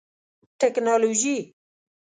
ټکنالوژي